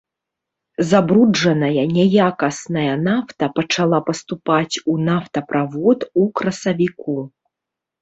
Забруджаная няякасная нафта пачала паступаць у нафтаправод у красавіку.